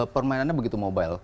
permainannya begitu mobile